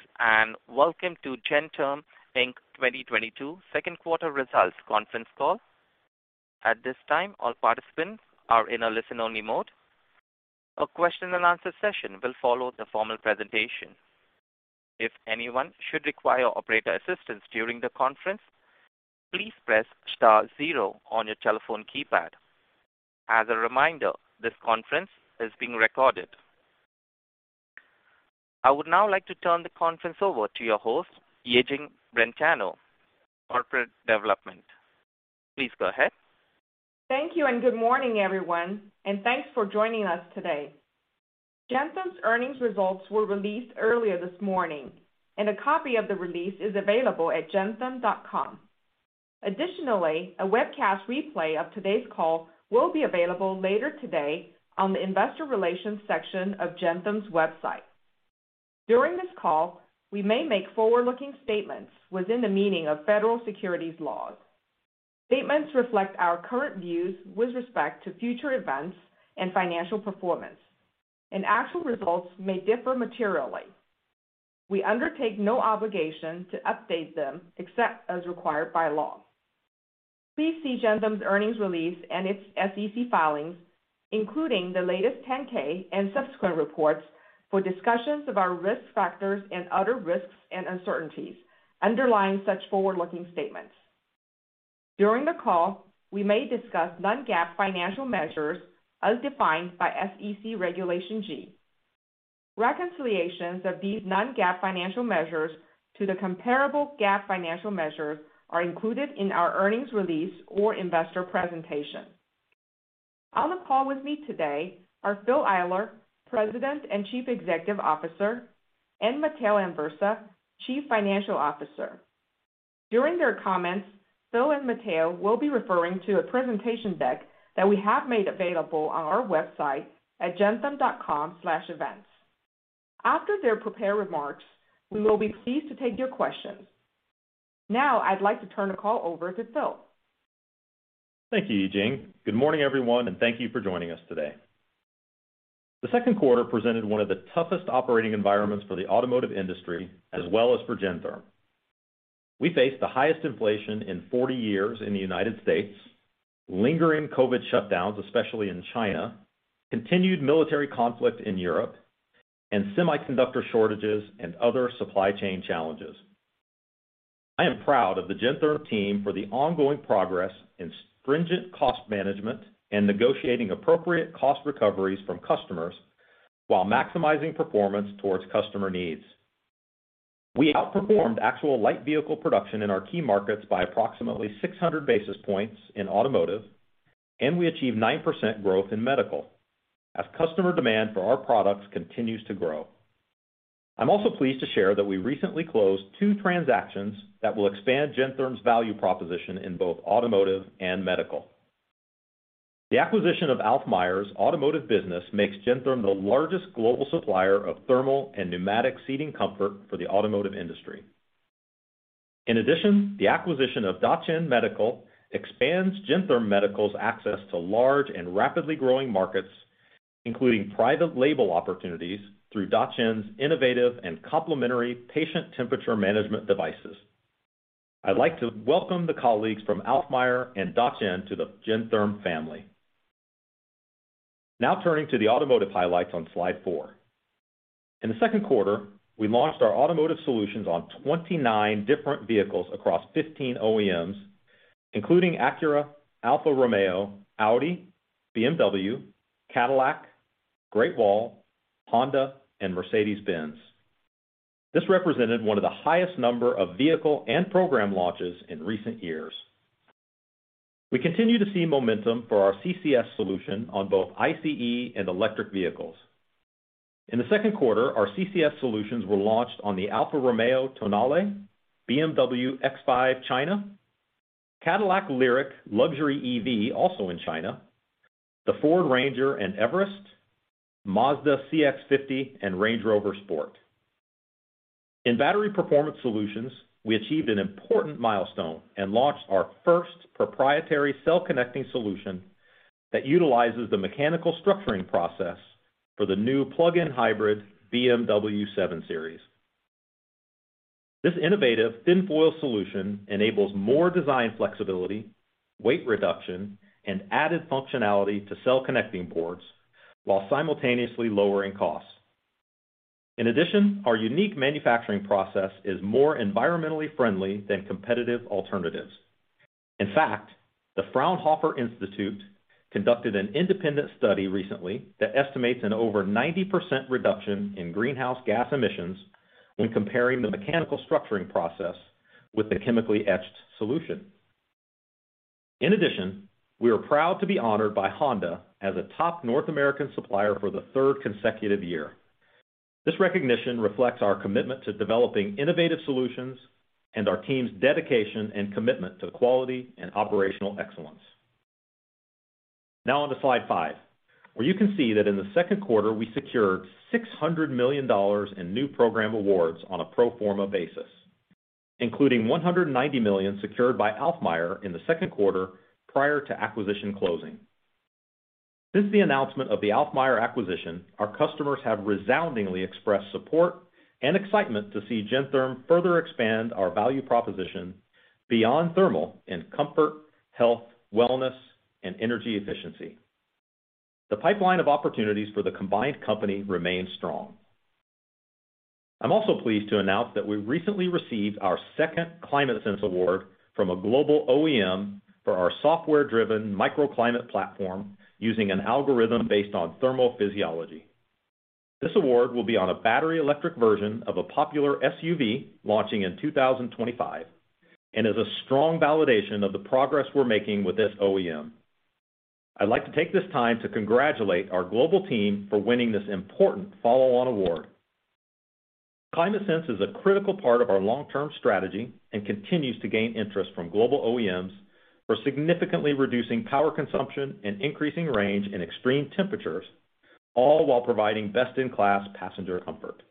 Greetings and welcome to Gentherm Inc. 2022 second quarter results conference call. At this time, all participants are in a listen-only mode. A question-and-answer session will follow the formal presentation. If anyone should require operator assistance during the conference, please press star zero on your telephone keypad. As a reminder, this conference is being recorded. I would now like to turn the conference over to your host, Yijing Brentano, Corporate Development. Please go ahead. Thank you and good morning, everyone, and thanks for joining us today. Gentherm's earnings results were released earlier this morning, and a copy of the release is available at gentherm.com. Additionally, a webcast replay of today's call will be available later today on the Investor Relations section of Gentherm's website. During this call, we may make forward-looking statements within the meaning of federal securities laws. Statements reflect our current views with respect to future events and financial performance, and actual results may differ materially. We undertake no obligation to update them except as required by law. Please see Gentherm's earnings release and its SEC filings, including the latest Form 10-K and subsequent reports, for discussions of our risk factors and other risks and uncertainties underlying such forward-looking statements. During the call, we may discuss non-GAAP financial measures as defined by SEC Regulation G. Reconciliations of these non-GAAP financial measures to the comparable GAAP financial measures are included in our earnings release or investor presentation. On the call with me today are Phil Eyler, President and Chief Executive Officer, and Matteo Anversa, Chief Financial Officer. During their comments, Phil and Matteo will be referring to a presentation deck that we have made available on our website at gentherm.com/events. After their prepared remarks, we will be pleased to take your questions. Now I'd like to turn the call over to Phil. Thank you, Yijing. Good morning, everyone, and thank you for joining us today. The second quarter presented one of the toughest operating environments for the automotive industry as well as for Gentherm. We faced the highest inflation in 40 years in the United States, lingering COVID shutdowns, especially in China, continued military conflict in Europe, and semiconductor shortages and other supply chain challenges. I am proud of the Gentherm team for the ongoing progress in stringent cost management and negotiating appropriate cost recoveries from customers while maximizing performance towards customer needs. We outperformed actual light vehicle production in our key markets by approximately 600 basis points in automotive, and we achieved 9% growth in medical as customer demand for our products continues to grow. I'm also pleased to share that we recently closed two transactions that will expand Gentherm's value proposition in both automotive and medical. The acquisition of Alfmeier's automotive business makes Gentherm the largest global supplier of thermal and pneumatic seating comfort for the automotive industry. In addition, the acquisition of Dacheng Medical expands Gentherm Medical's access to large and rapidly growing markets, including private label opportunities, through Dacheng's innovative and complementary patient temperature management devices. I'd like to welcome the colleagues from Alfmeier and Dacheng to the Gentherm family. Now turning to the automotive highlights on slide four. In the second quarter, we launched our automotive solutions on 29 different vehicles across 15 OEMs, including Acura, Alfa Romeo, Audi, BMW, Cadillac, Great Wall, Honda, and Mercedes-Benz. This represented one of the highest number of vehicle and program launches in recent years. We continue to see momentum for our CCS solution on both ICE and electric vehicles. In the second quarter, our CCS solutions were launched on the Alfa Romeo Tonale, BMW X5 China, Cadillac Lyriq luxury EV, also in China, the Ford Ranger and Everest, Mazda CX-50, and Range Rover Sport. In battery performance solutions, we achieved an important milestone and launched our first proprietary cell-connecting solution that utilizes the mechanical structuring process for the new plug-in hybrid BMW 7 Series. This innovative thin-foil solution enables more design flexibility, weight reduction, and added functionality to cell-connecting boards while simultaneously lowering costs. In addition, our unique manufacturing process is more environmentally friendly than competitive alternatives. In fact, the Fraunhofer Institute conducted an independent study recently that estimates an over 90% reduction in greenhouse gas emissions when comparing the mechanical structuring process with the chemically-etched solution. In addition, we are proud to be honored by Honda as a top North American supplier for the third consecutive year. This recognition reflects our commitment to developing innovative solutions and our team's dedication and commitment to quality and operational excellence. Now on to slide five, where you can see that in the second quarter, we secured $600 million in new program awards on a pro forma basis, including $190 million secured by Alfmeier in the second quarter prior to acquisition closing. Since the announcement of the Alfmeier acquisition, our customers have resoundingly expressed support and excitement to see Gentherm further expand our value proposition beyond thermal and comfort, health, wellness, and energy efficiency. The pipeline of opportunities for the combined company remains strong. I'm also pleased to announce that we recently received our second ClimateSense award from a global OEM for our software-driven microclimate platform using an algorithm based on thermal physiology. This award will be on a battery electric version of a popular SUV launching in 2025 and is a strong validation of the progress we're making with this OEM. I'd like to take this time to congratulate our global team for winning this important follow-on award. ClimateSense is a critical part of our long-term strategy and continues to gain interest from global OEMs for significantly reducing power consumption and increasing range in extreme temperatures, all while providing best-in-class passenger comfort.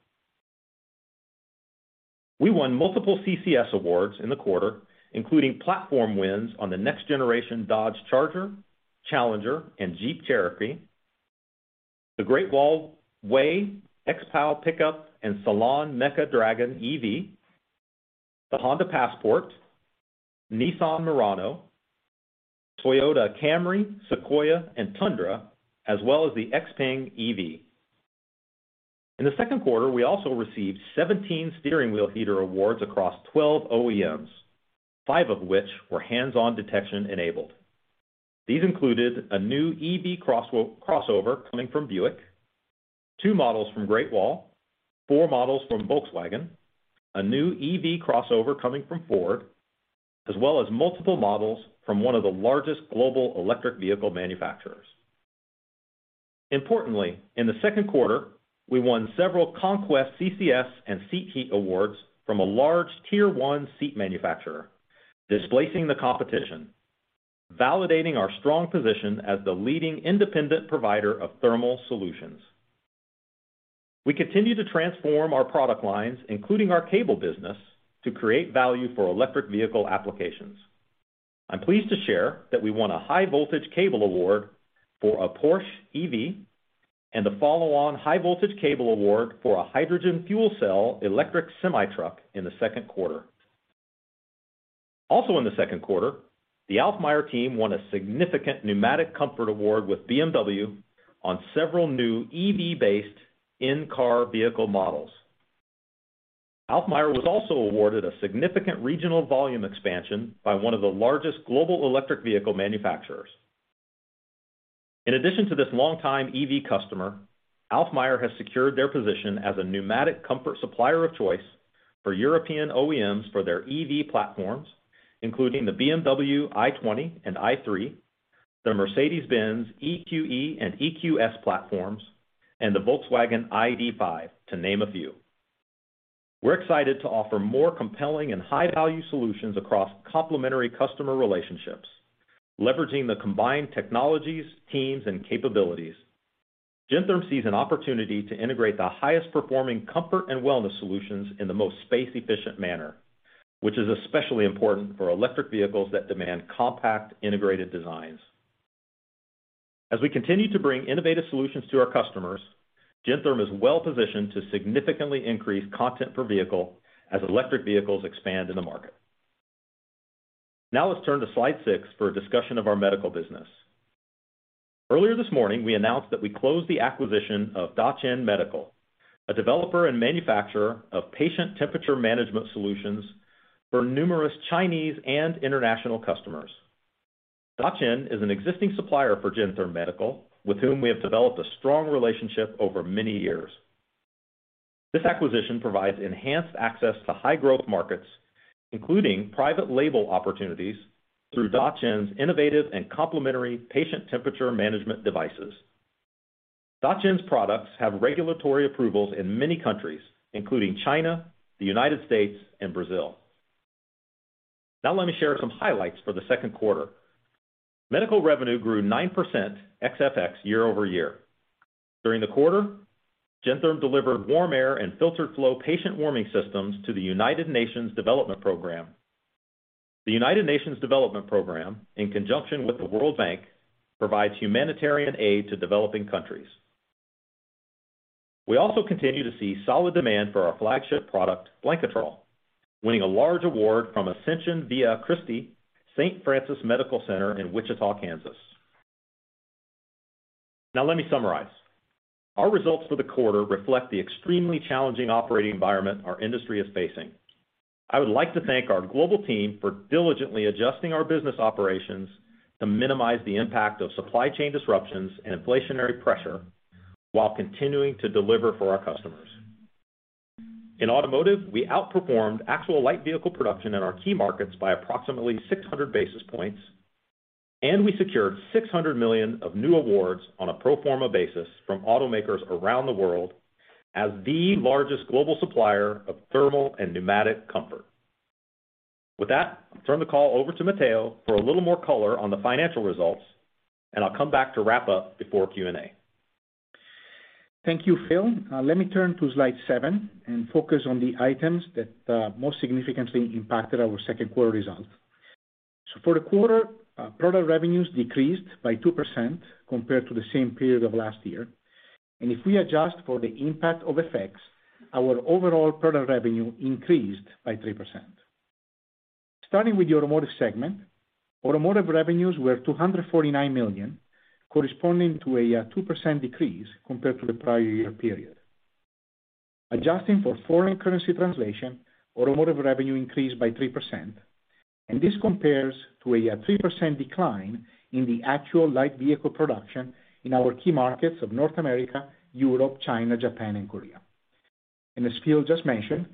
We won multiple CCS awards in the quarter, including platform wins on the next generation Dodge Charger, Challenger, and Jeep Cherokee, the Great Wall WEY, [Poer] pickup, and Saloon Mecha Dragon EV, the Honda Passport, Nissan Murano, Toyota Camry, Sequoia, and Tundra, as well as the XPeng EV. In the second quarter, we also received 17 steering wheel heater awards across 12 OEMs, five of which were Hands-On-Detection-enabled. These included a new EV crossover coming from Buick, two models from Great Wall, four models from Volkswagen, a new EV crossover coming from Ford, as well as multiple models from one of the largest global electric vehicle manufacturers. Importantly, in the second quarter, we won several conquest CCS and seat heat awards from a large Tier 1 seat manufacturer, displacing the competition, validating our strong position as the leading independent provider of thermal solutions. We continue to transform our product lines, including our cable business, to create value for electric vehicle applications. I'm pleased to share that we won a high-voltage cable award for a Porsche EV and a follow-on high-voltage cable award for a hydrogen fuel cell electric semi-truck in the second quarter. Also in the second quarter, the Alfmeier team won a significant pneumatic comfort award with BMW on several new EV-based in-car vehicle models. Alfmeier was also awarded a significant regional volume expansion by one of the largest global electric vehicle manufacturers. In addition to this long-time EV customer, Alfmeier has secured their position as a pneumatic comfort supplier of choice for European OEMs for their EV platforms, including the BMW iX and i3, the Mercedes-Benz EQE and EQS platforms, and the Volkswagen ID.5, to name a few. We're excited to offer more compelling and high-value solutions across complementary customer relationships, leveraging the combined technologies, teams, and capabilities. Gentherm sees an opportunity to integrate the highest-performing comfort and wellness solutions in the most space-efficient manner, which is especially important for electric vehicles that demand compact, integrated designs. As we continue to bring innovative solutions to our customers, Gentherm is well-positioned to significantly increase content per vehicle as electric vehicles expand in the market. Now let's turn to slide six for a discussion of our medical business. Earlier this morning, we announced that we closed the acquisition of Dacheng Medical, a developer and manufacturer of patient temperature management solutions for numerous Chinese and international customers. Dacheng is an existing supplier for Gentherm Medical, with whom we have developed a strong relationship over many years. This acquisition provides enhanced access to high-growth markets, including private label opportunities through Dacheng's innovative and complementary patient temperature management devices. Dacheng's products have regulatory approvals in many countries, including China, the United States, and Brazil. Now let me share some highlights for the second quarter. Medical revenue grew 9% ex-FX year-over-year. During the quarter, Gentherm delivered WarmAir and FilteredFlo patient warming systems to the United Nations Development Program. The United Nations Development Program, in conjunction with the World Bank, provides humanitarian aid to developing countries. We also continue to see solid demand for our flagship product, Blanketrol, winning a large award from Ascension Via Christi St. Francis Medical Center in Wichita, Kansas. Now let me summarize. Our results for the quarter reflect the extremely challenging operating environment our industry is facing. I would like to thank our global team for diligently adjusting our business operations to minimize the impact of supply chain disruptions and inflationary pressure while continuing to deliver for our customers. In automotive, we outperformed actual light vehicle production in our key markets by approximately 600 basis points, and we secured $600 million of new awards on a pro forma basis from automakers around the world as the largest global supplier of thermal and pneumatic comfort. With that, I'll turn the call over to Matteo for a little more color on the financial results, and I'll come back to wrap up before Q&A. Thank you, Phil. Let me turn to slide seven and focus on the items that most significantly impacted our second quarter results. For the quarter, product revenues decreased by 2% compared to the same period of last year. If we adjust for the impact of FX, our overall product revenue increased by 3%. Starting with the Automotive segment, Automotive revenues were $249 million, corresponding to a 2% decrease compared to the prior year period. Adjusting for foreign currency translation, automotive revenue increased by 3%, and this compares to a 3% decline in the actual light vehicle production in our key markets of North America, Europe, China, Japan, and Korea. As Phil just mentioned,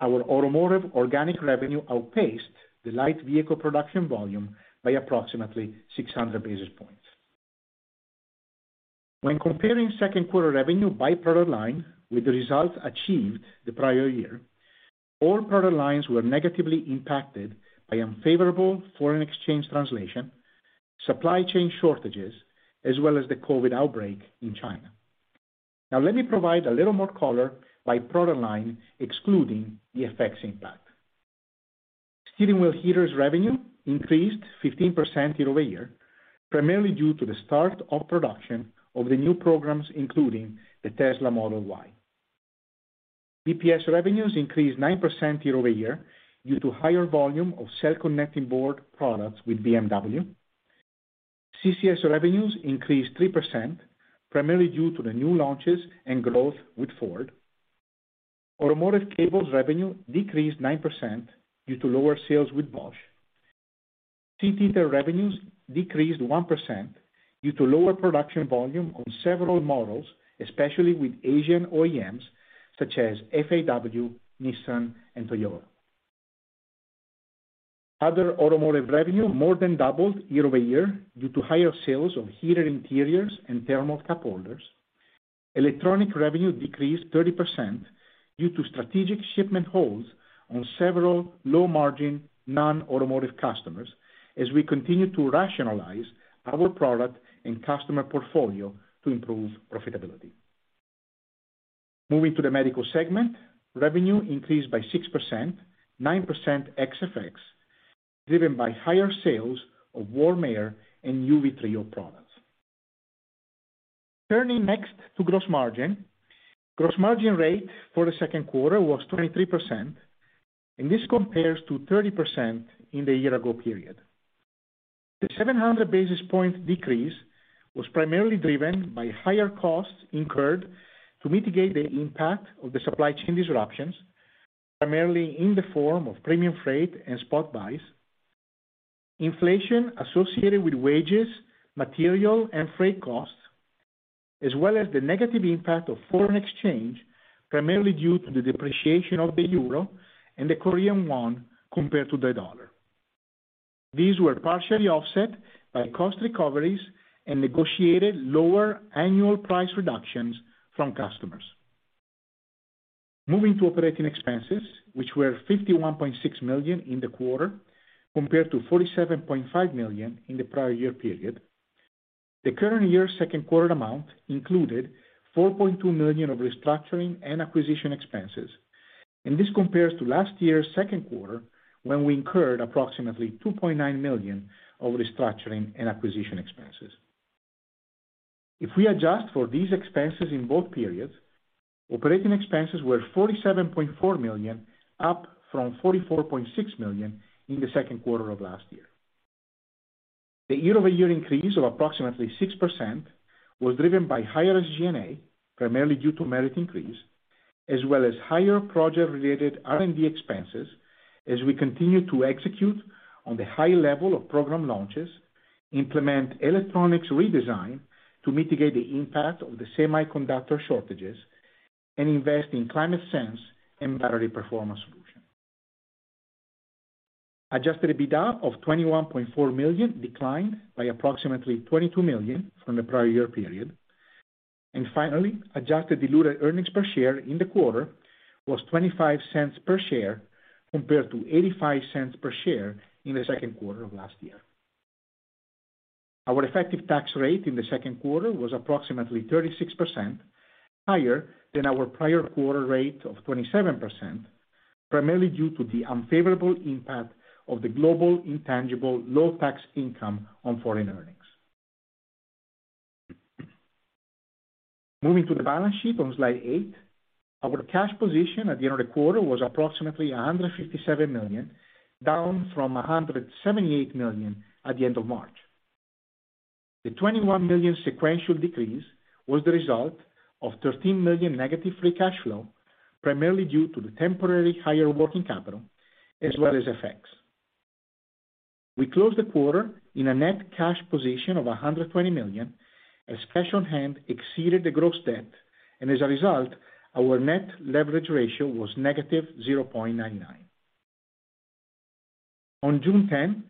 our automotive organic revenue outpaced the light vehicle production volume by approximately 600 basis points. When comparing second quarter revenue by product line with the results achieved the prior year, all product lines were negatively impacted by unfavorable foreign exchange translation, supply chain shortages, as well as the COVID outbreak in China. Now, let me provide a little more color by product line excluding the FX impact. Steering wheel heaters revenue increased 15% year-over-year, primarily due to the start of production of the new programs, including the Tesla Model Y. BPS revenues increased 9% year-over-year due to higher volume of cell-connecting board products with BMW. CCS revenues increased 3%, primarily due to the new launches and growth with Ford. Automotive cables revenue decreased 9% due to lower sales with Bosch. Seat heater revenues decreased 1% due to lower production volume on several models, especially with Asian OEMs such as FAW, Nissan, and Toyota. Other automotive revenue more than doubled year-over-year due to higher sales of heated interiors and thermal cup holders. Electronic revenue decreased 30% due to strategic shipment holds on several low-margin non-automotive customers as we continue to rationalize our product and customer portfolio to improve profitability. Moving to the Medical segment, revenue increased by 6%, 9% ex-FX, driven by higher sales of warm air and UV Treo products. Turning next to gross margin. Gross margin rate for the second quarter was 23%, and this compares to 30% in the year-ago period. The 700 basis point decrease was primarily driven by higher costs incurred to mitigate the impact of the supply chain disruptions, primarily in the form of premium freight and spot buys, inflation associated with wages, material and freight costs, as well as the negative impact of foreign exchange, primarily due to the depreciation of the euro and the Korean won compared to the dollar. These were partially offset by cost recoveries and negotiated lower annual price reductions from customers. Moving to operating expenses, which were $51.6 million in the quarter, compared to $47.5 million in the prior year period. The current year second quarter amount included $4.2 million of restructuring and acquisition expenses, and this compares to last year's second quarter when we incurred approximately $2.9 million of restructuring and acquisition expenses. If we adjust for these expenses in both periods, operating expenses were $47.4 million, up from $44.6 million in the second quarter of last year. The year-over-year increase of approximately 6% was driven by higher SG&A, primarily due to merit increase, as well as higher project-related R&D expenses as we continue to execute on the high level of program launches, implement electronics redesign to mitigate the impact of the semiconductor shortages, and invest in ClimateSense and Battery Performance Solutions. Adjusted EBITDA of $21.4 million declined by approximately $22 million from the prior year period. Finally, adjusted diluted earnings per share in the quarter was $0.25 per share, compared to $0.85 per share in the second quarter of last year. Our effective tax rate in the second quarter was approximately 36%, higher than our prior quarter rate of 27%, primarily due to the unfavorable impact of the global intangible low-taxed income on foreign earnings. Moving to the balance sheet on slide eight. Our cash position at the end of the quarter was approximately $157 million, down from $178 million at the end of March. The $21 million sequential decrease was the result of $13 million negative free cash flow, primarily due to the temporary higher working capital as well as FX. We closed the quarter in a net cash position of $120 million as cash on hand exceeded the gross debt, and as a result, our net leverage ratio was -0.99. On June 10th,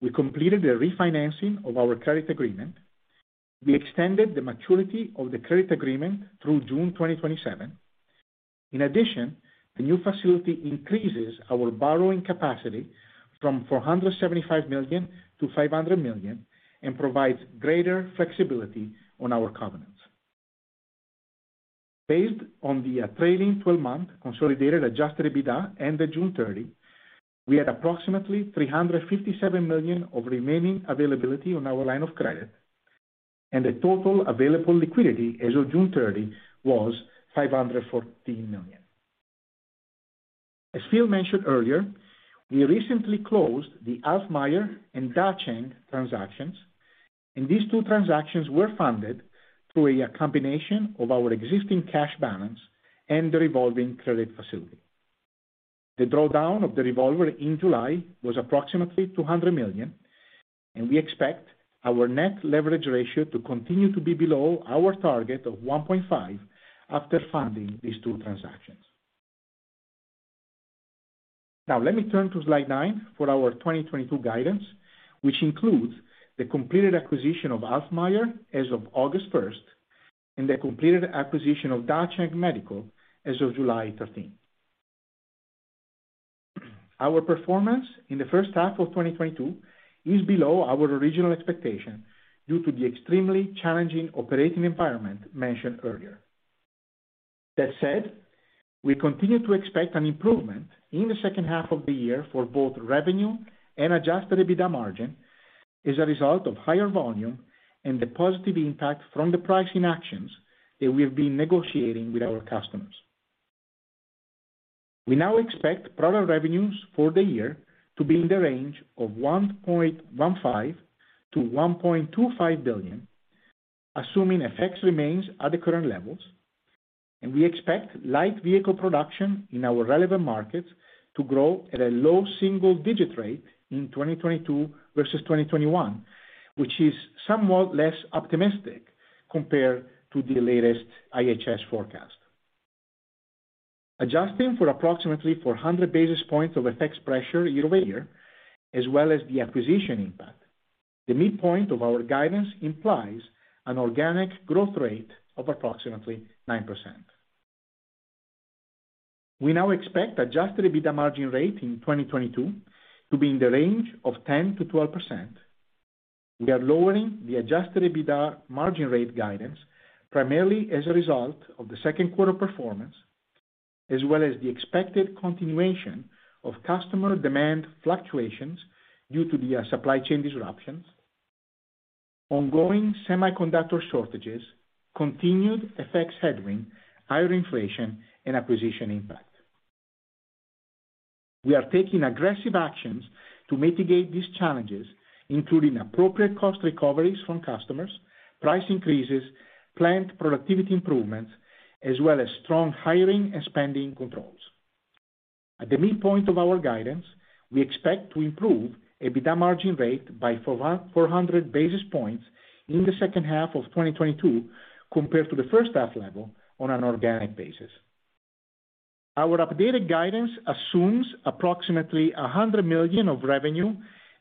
we completed the refinancing of our credit agreement. We extended the maturity of the credit agreement through June 2027. In addition, the new facility increases our borrowing capacity from $475 million to $500 million and provides greater flexibility on our covenants. Based on the trailing 12-month consolidated adjusted EBITDA ended June 30, we had approximately $357 million of remaining availability on our line of credit, and the total available liquidity as of June 30 was $514 million. As Phil mentioned earlier, we recently closed the Alfmeier and Dacheng transactions, and these two transactions were funded through a combination of our existing cash balance and the revolving credit facility. The drawdown of the revolver in July was approximately $200 million, and we expect our net leverage ratio to continue to be below our target of 1.5 after funding these two transactions. Now let me turn to slide nine for our 2022 guidance, which includes the completed acquisition of Alfmeier as of August 1st and the completed acquisition of Dacheng Medical as of July 13. Our performance in the first half of 2022 is below our original expectation due to the extremely challenging operating environment mentioned earlier. That said, we continue to expect an improvement in the second half of the year for both revenue and adjusted EBITDA margin as a result of higher volume and the positive impact from the pricing actions that we have been negotiating with our customers. We now expect product revenues for the year to be in the range of $1.15 billion-$1.25 billion, assuming FX remains at the current levels, and we expect light vehicle production in our relevant markets to grow at a low single-digit rate in 2022 versus 2021, which is somewhat less optimistic compared to the latest IHS forecast. Adjusting for approximately 400 basis points of FX pressure year-over-year as well as the acquisition impact, the midpoint of our guidance implies an organic growth rate of approximately 9%. We now expect adjusted EBITDA margin rate in 2022 to be in the range of 10%-12%. We are lowering the adjusted EBITDA margin rate guidance primarily as a result of the second quarter performance, as well as the expected continuation of customer demand fluctuations due to the supply chain disruptions, ongoing semiconductor shortages, continued FX headwind, higher inflation and acquisition impact. We are taking aggressive actions to mitigate these challenges, including appropriate cost recoveries from customers, price increases, plant productivity improvements, as well as strong hiring and spending controls. At the midpoint of our guidance, we expect to improve EBITDA margin rate by 400 basis points in the second half of 2022 compared to the first half level on an organic basis. Our updated guidance assumes approximately $100 million of revenue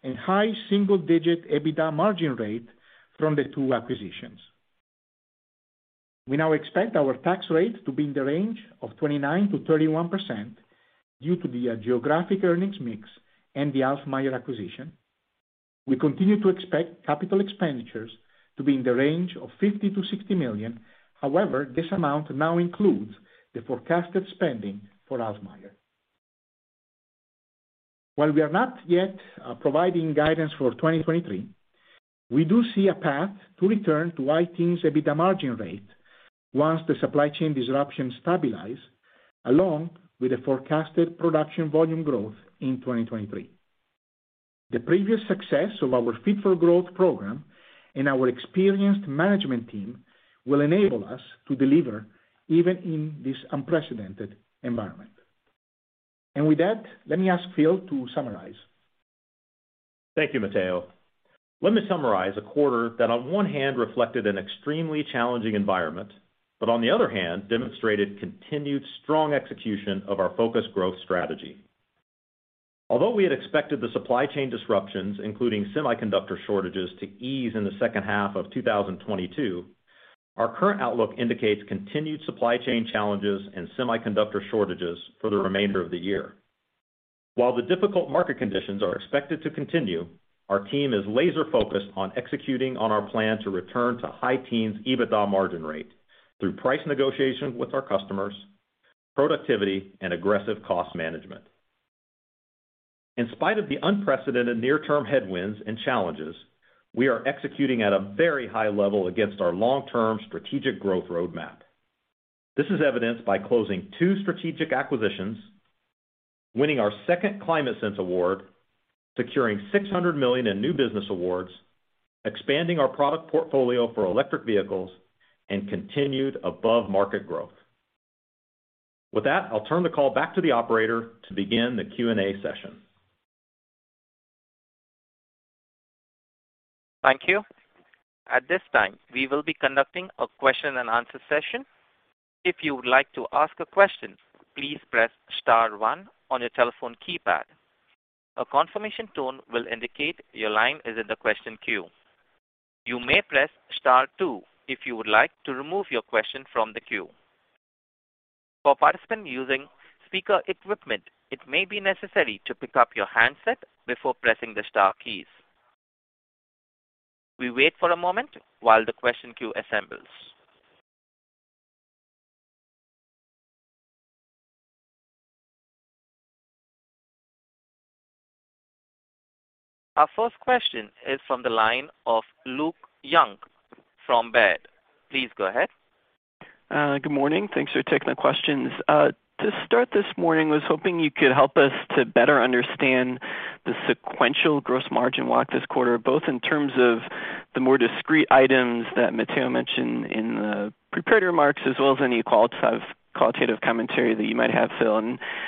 and high single-digit EBITDA margin rate from the two acquisitions. We now expect our tax rate to be in the range of 29%-31% due to the geographic earnings mix and the Alfmeier acquisition. We continue to expect capital expenditures to be in the range of $50 million-$60 million. However, this amount now includes the forecasted spending for Alfmeier. While we are not yet providing guidance for 2023, we do see a path to return to high teens EBITDA margin rate once the supply chain disruptions stabilize along with the forecasted production volume growth in 2023. The previous success of our Fit-for-Growth program and our experienced management team will enable us to deliver even in this unprecedented environment. With that, let me ask Phil to summarize. Thank you, Matteo. Let me summarize a quarter that on one hand reflected an extremely challenging environment, but on the other hand demonstrated continued strong execution of our focused growth strategy. Although we had expected the supply chain disruptions, including semiconductor shortages, to ease in the second half of 2022, our current outlook indicates continued supply chain challenges and semiconductor shortages for the remainder of the year. While the difficult market conditions are expected to continue, our team is laser-focused on executing on our plan to return to high teens EBITDA margin rate through price negotiation with our customers, productivity and aggressive cost management. In spite of the unprecedented near-term headwinds and challenges, we are executing at a very high level against our long-term strategic growth roadmap. This is evidenced by closing two strategic acquisitions, winning our second ClimateSense award, securing $600 million in new business awards, expanding our product portfolio for electric vehicles and continued above-market growth. With that, I'll turn the call back to the operator to begin the Q&A session. Thank you. At this time, we will be conducting a question-and-answer session. If you would like to ask a question, please press star one on your telephone keypad. A confirmation tone will indicate your line is in the question queue. You may press star two if you would like to remove your question from the queue. For participants using speaker equipment, it may be necessary to pick up your handset before pressing the star keys. We wait for a moment while the question queue assembles. Our first question is from the line of Luke Junk from Baird. Please go ahead. Good morning. Thanks for taking the questions. To start this morning, was hoping you could help us to better understand the sequential gross margin walk this quarter, both in terms of the more discrete items that Matteo mentioned in the prepared remarks, as well as any qualitative commentary that you might have, Phil.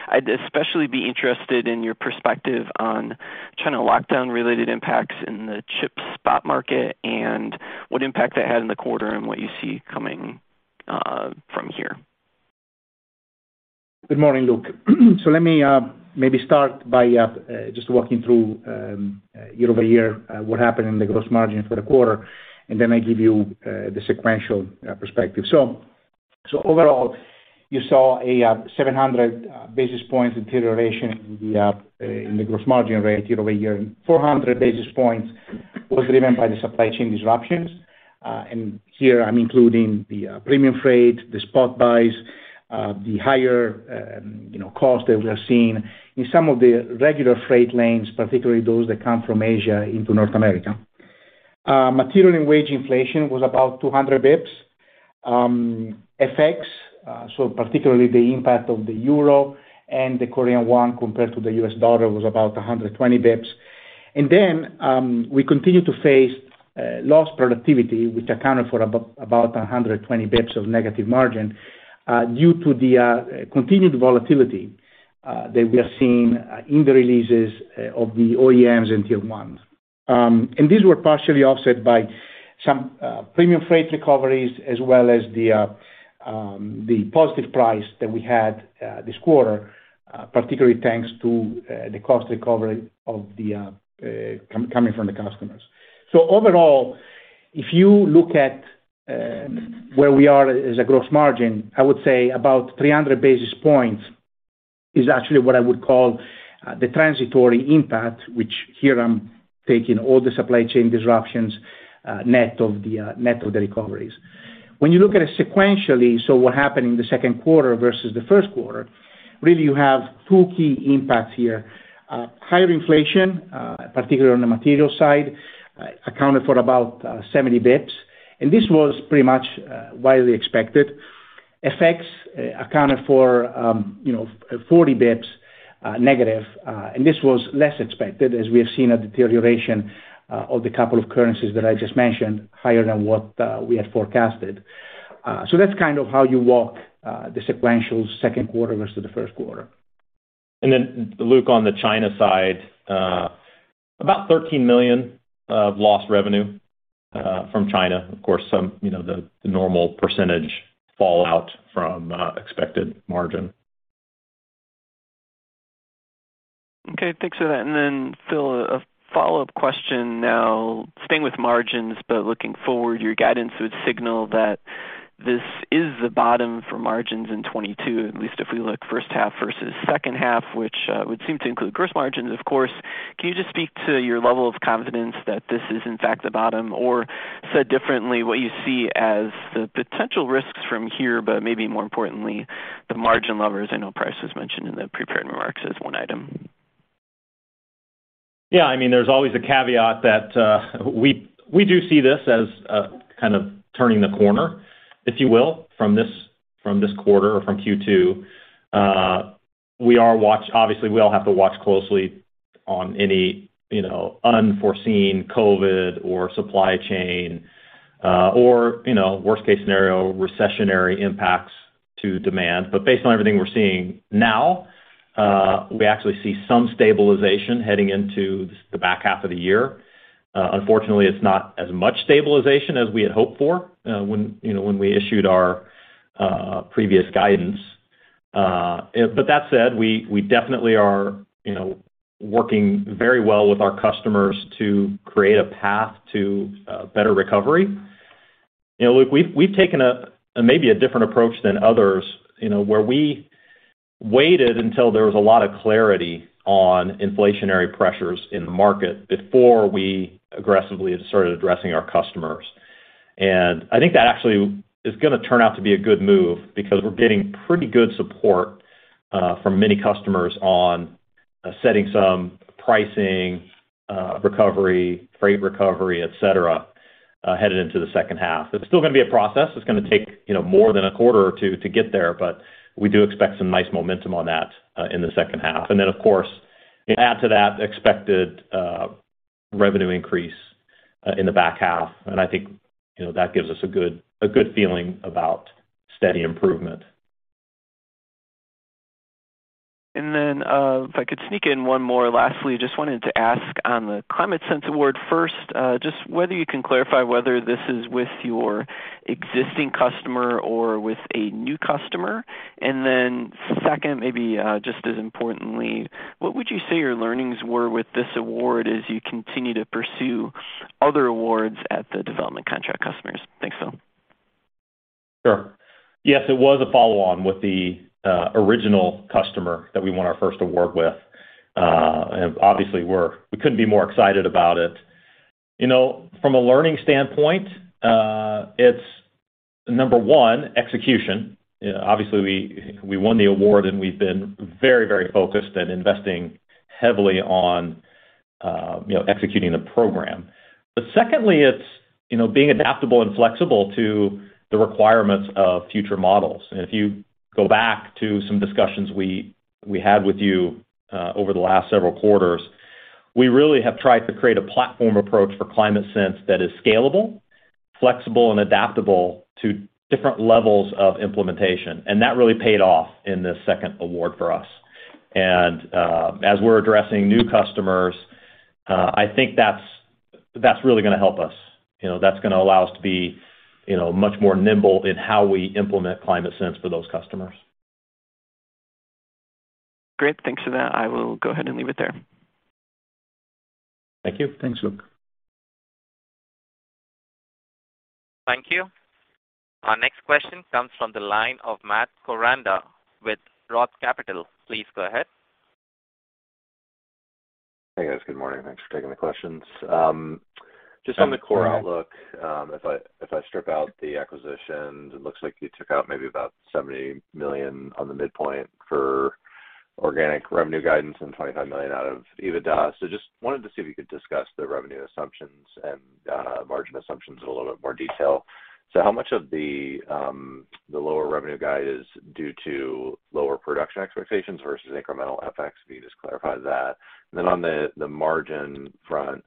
I'd especially be interested in your perspective on China lockdown-related impacts in the chip spot market and what impact that had in the quarter and what you see coming from here? Good morning, Luke. Let me maybe start by just walking through year-over-year what happened in the gross margin for the quarter, and then I give you the sequential perspective. Overall, you saw a 700 basis points deterioration in the gross margin rate year-over-year. 400 basis points was driven by the supply chain disruptions. Here I'm including the premium freight, the spot buys, the higher, you know, costs that we are seeing in some of the regular freight lanes, particularly those that come from Asia into North America. Material and wage inflation was about 200 basis points. FX, particularly the impact of the euro and the Korean won compared to the US dollar was about 120 basis points. We continue to face lost productivity, which accounted for about 120 basis points of negative margin due to the continued volatility that we are seeing in the releases of the OEMs in Tier 1. These were partially offset by some premium freight recoveries, as well as the positive price that we had this quarter, particularly thanks to the cost recovery coming from the customers. Overall, if you look at where we are as a gross margin, I would say about 300 basis points is actually what I would call the transitory impact, which here I'm taking all the supply chain disruptions net of the recoveries. When you look at it sequentially, what happened in the second quarter versus the first quarter, really you have two key impacts here. Higher inflation, particularly on the material side, accounted for about 70 basis points. This was pretty much widely expected. FX accounted for, you know, 40 basis points, negative. This was less expected as we have seen a deterioration of the couple of currencies that I just mentioned higher than what we had forecasted. That's kind of how you walk the sequential second quarter versus the first quarter. Luke, on the China side, about $13 million of lost revenue from China. Of course, some, you know, the normal percentage fallout from expected margin. Okay. Thanks for that. Phil, a follow-up question now. Staying with margins, but looking forward, your guidance would signal that this is the bottom for margins in 2022, at least if we look first half versus second half, which would seem to include gross margins, of course. Can you just speak to your level of confidence that this is in fact the bottom? Or said differently, what you see as the potential risks from here, but maybe more importantly, the margin levers. I know price was mentioned in the prepared remarks as one item. Yeah, I mean, there's always a caveat that we do see this as kind of turning the corner, if you will, from this quarter or from Q2. Obviously, we all have to watch closely on any unforeseen COVID or supply chain or worst-case scenario recessionary impacts to demand. Based on everything we're seeing now, we actually see some stabilization heading into the back half of the year. Unfortunately, it's not as much stabilization as we had hoped for when you know when we issued our previous guidance. That said, we definitely are you know working very well with our customers to create a path to better recovery. You know, Luke, we've taken maybe a different approach than others, you know, where we waited until there was a lot of clarity on inflationary pressures in the market before we aggressively started addressing our customers. I think that actually is gonna turn out to be a good move because we're getting pretty good support from many customers on setting some pricing recovery, freight recovery, et cetera headed into the second half. It's still gonna be a process. It's gonna take, you know, more than a quarter or two to get there, but we do expect some nice momentum on that in the second half. Of course, add to that expected revenue increase in the back half. I think, you know, that gives us a good feeling about steady improvement. If I could sneak in one more. Lastly, just wanted to ask on the ClimateSense award first, just whether you can clarify whether this is with your existing customer or with a new customer. Second, maybe, just as importantly, what would you say your learnings were with this award as you continue to pursue other awards at the development contract customers? Thanks, Phil. Sure. Yes, it was a follow-on with the original customer that we won our first award with. Obviously, we couldn't be more excited about it. You know, from a learning standpoint, it's number one, execution. You know, obviously, we won the award, and we've been very, very focused and investing heavily on, you know, executing the program. Secondly, it's, you know, being adaptable and flexible to the requirements of future models. If you go back to some discussions we had with you over the last several quarters, we really have tried to create a platform approach for ClimateSense that is scalable, flexible, and adaptable to different levels of implementation. That really paid off in this second award for us. As we're addressing new customers, I think that's really gonna help us. You know, that's gonna allow us to be, you know, much more nimble in how we implement ClimateSense for those customers. Great. Thanks for that. I will go ahead and leave it there. Thank you. Thanks, Luke. Thank you. Our next question comes from the line of Matt Koranda with Roth Capital. Please go ahead. Hey, guys. Good morning. Thanks for taking the questions. Just on the core outlook, if I strip out the acquisitions, it looks like you took out maybe about $70 million on the midpoint for organic revenue guidance and $25 million out of EBITDA. Just wanted to see if you could discuss the revenue assumptions and margin assumptions in a little bit more detail. How much of the lower revenue guide is due to lower production expectations versus incremental FX? If you could just clarify that. Then on the margin front,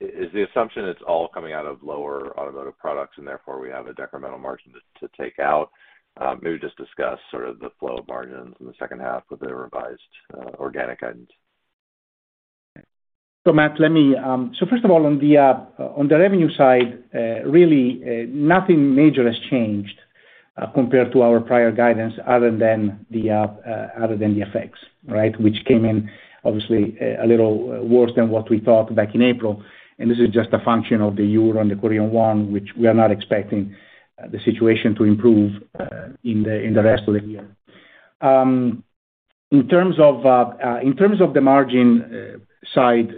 is the assumption it's all coming out of lower automotive products and therefore we have a decremental margin to take out? Maybe just discuss sort of the flow of margins in the second half with the revised organic guidance. Matt, let me first of all, on the revenue side, really nothing major has changed compared to our prior guidance other than the FX, right? Which came in obviously a little worse than what we thought back in April. This is just a function of the euro and the Korean won, which we are not expecting the situation to improve in the rest of the year. In terms of the margin side,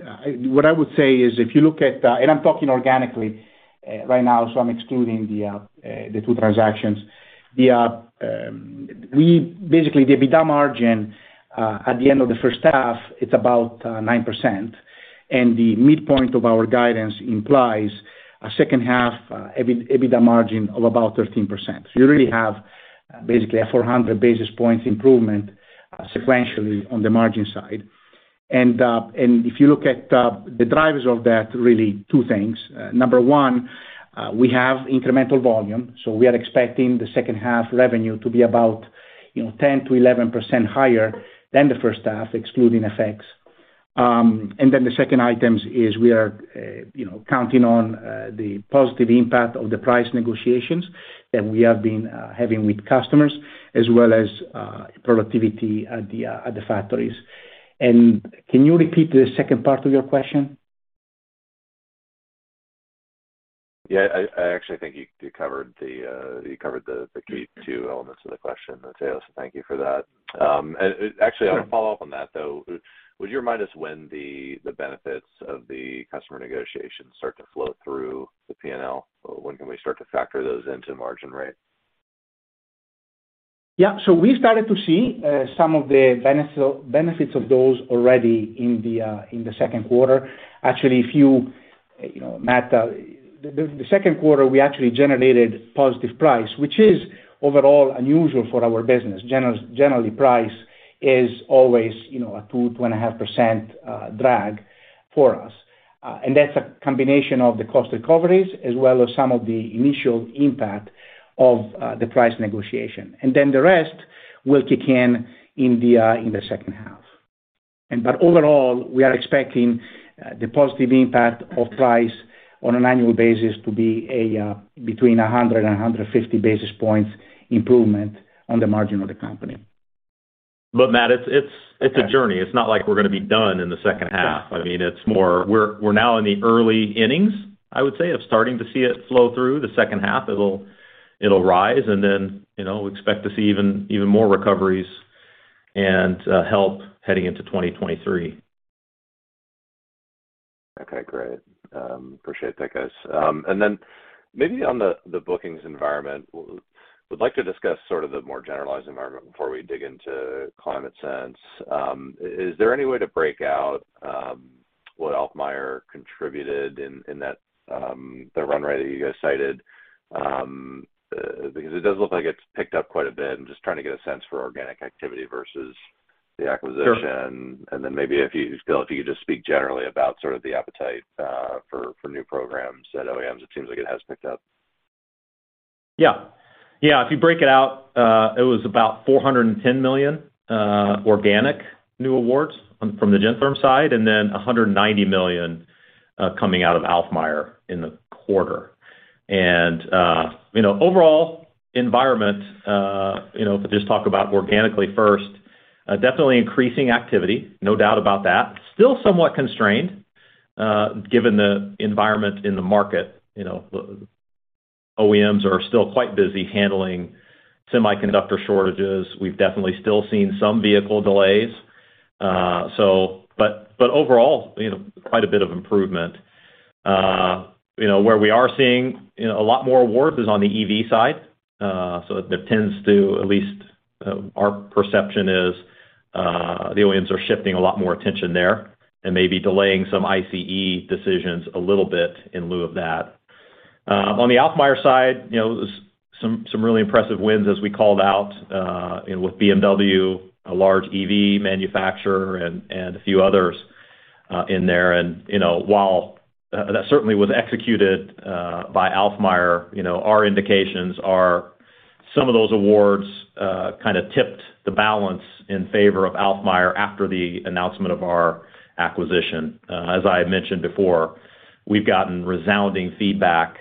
what I would say is if you look at, I'm talking organically right now, so I'm excluding the two transactions. Basically the EBITDA margin at the end of the first half, it's about 9%. The midpoint of our guidance implies a second half EBITDA margin of about 13%. You really have basically a 400 basis points improvement sequentially on the margin side. If you look at the drivers of that, really two things. Number one, we have incremental volume. We are expecting the second half revenue to be about, you know, 10%-11% higher than the first half, excluding FX effects. The second item is we are, you know, counting on the positive impact of the price negotiations that we have been having with customers as well as productivity at the factories. Can you repeat the second part of your question? Yeah, I actually think you covered the key two elements of the question, Matteo, so thank you for that. Actually I wanna follow-up on that, though. Would you remind us when the benefits of the customer negotiations start to flow through the P&L? When can we start to factor those into margin rate? Yeah. We started to see some of the benefits of those already in the second quarter. Actually, if you know, Matt, the second quarter, we actually generated positive price, which is overall unusual for our business. Generally, price is always, you know, a 2%, 2.5% drag for us. And that's a combination of the cost recoveries as well as some of the initial impact of the price negotiation. The rest will kick in in the second half. But overall, we are expecting the positive impact of price on an annual basis to be between 100 and 150 basis points improvement on the margin of the company. Matt, it's a journey. It's not like we're gonna be done in the second half. I mean, it's more we're now in the early innings, I would say, of starting to see it flow through the second half. It'll rise and then, you know, we expect to see even more recoveries and help heading into 2023. Okay, great. Appreciate that, guys. Maybe on the bookings environment, we'd like to discuss sort of the more generalized environment before we dig into ClimateSense. Is there any way to break out what Alfmeier contributed in that the run rate that you guys cited? Because it does look like it's picked up quite a bit. I'm just trying to get a sense for organic activity versus the acquisition. Maybe if you still, if you could just speak generally about sort of the appetite for new programs at OEMs. It seems like it has picked up. Yeah. If you break it out, it was about $410 million organic new awards from the Gentherm side, and then $190 million coming out of Alfmeier in the quarter. You know, overall environment, you know, if we just talk about organically first, definitely increasing activity, no doubt about that. Still somewhat constrained, given the environment in the market, you know, OEMs are still quite busy handling semiconductor shortages. We've definitely still seen some vehicle delays. But overall, you know, quite a bit of improvement. You know, where we are seeing, you know, a lot more awards is on the EV side. That tends to at least our perception is the OEMs are shifting a lot more attention there and maybe delaying some ICE decisions a little bit in lieu of that. On the Alfmeier side, you know, some really impressive wins, as we called out, with BMW, a large EV manufacturer and a few others in there. You know, while that certainly was executed by Alfmeier, you know, our indications are some of those awards kinda tipped the balance in favor of Alfmeier after the announcement of our acquisition. As I had mentioned before, we've gotten resounding feedback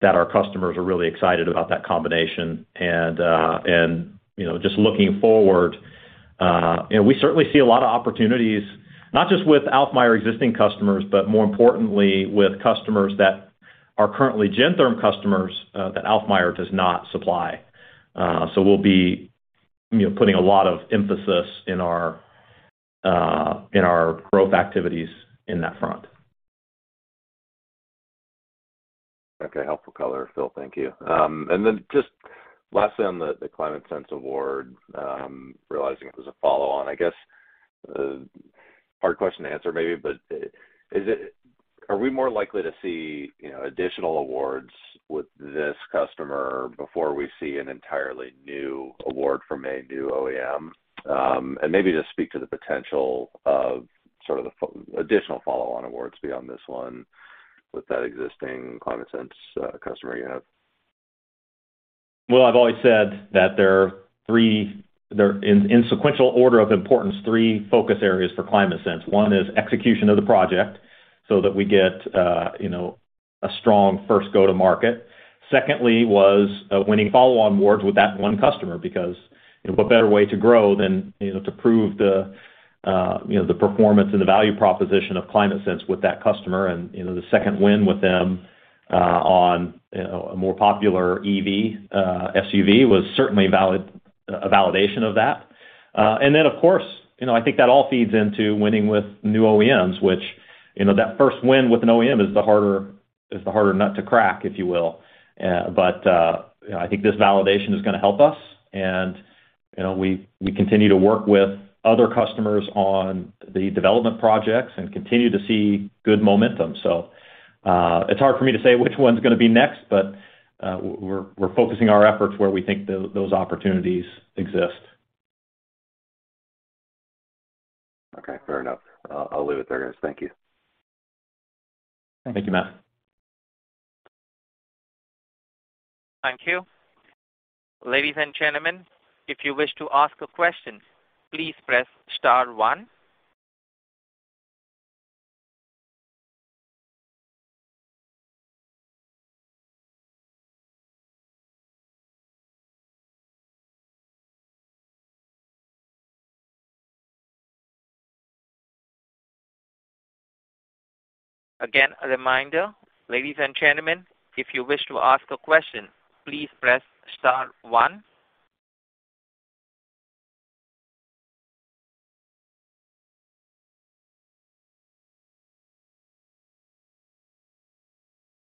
that our customers are really excited about that combination. You know, just looking forward, you know, we certainly see a lot of opportunities, not just with Alfmeier-existing customers, but more importantly with customers that are currently Gentherm customers, that Alfmeier does not supply. We'll be, you know, putting a lot of emphasis in our growth activities in that front. Okay. Helpful color, Phil. Thank you. Just lastly on the ClimateSense award, realizing it was a follow-on. I guess hard question to answer maybe, but are we more likely to see, you know, additional awards with this customer before we see an entirely new award from a new OEM? Maybe just speak to the potential of sort of the additional follow-on awards beyond this one with that existing ClimateSense customer you have? Well, I've always said that there are three— in sequential order of importance three focus areas for ClimateSense. One is execution of the project so that we get a strong first go-to-market. Secondly was winning follow-on awards with that one customer because what better way to grow than, you know, to prove the performance and the value proposition of ClimateSense with that customer. You know, the second win with them on a more popular EV SUV was certainly a validation of that. Then of course, you know, I think that all feeds into winning with new OEMs which, you know, that first win with an OEM is the harder nut to crack, if you will. You know, I think this validation is gonna help us. You know, we continue to work with other customers on the development projects and continue to see good momentum. It's hard for me to say which one's gonna be next, but we're focusing our efforts where we think those opportunities exist. Okay, fair enough. I'll leave it there, guys. Thank you. Thank you, Matt. Thank you. Ladies and gentlemen, if you wish to ask a question, please press star one. Again, a reminder, ladies and gentlemen, if you wish to ask a question, please press star one.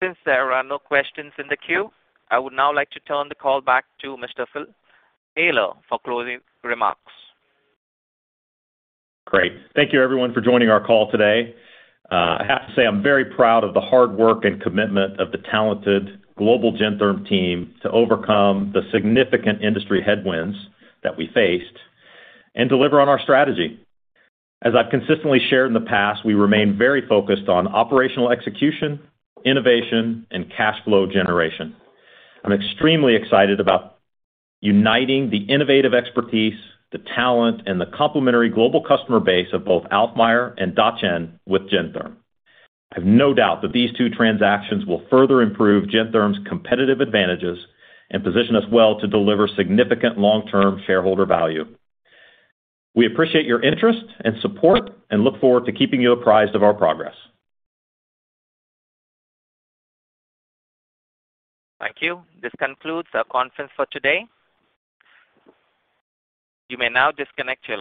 Since there are no questions in the queue, I would now like to turn the call back to Mr. Phil Eyler for closing remarks. Great. Thank you everyone for joining our call today. I have to say I'm very proud of the hard work and commitment of the talented global Gentherm team to overcome the significant industry headwinds that we faced and deliver on our strategy. As I've consistently shared in the past, we remain very focused on operational execution, innovation, and cash flow generation. I'm extremely excited about uniting the innovative expertise, the talent, and the complementary global customer base of both Alfmeier and Dacheng with Gentherm. I have no doubt that these two transactions will further improve Gentherm's competitive advantages and position us well to deliver significant long-term shareholder value. We appreciate your interest and support and look forward to keeping you apprised of our progress. Thank you. This concludes our conference for today. You may now disconnect your line.